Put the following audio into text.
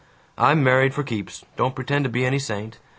I'm married for keeps. Don't pretend to be any saint.